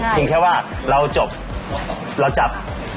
พรุ่งแค่เราจับ